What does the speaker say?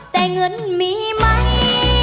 แต่เงินมีไหม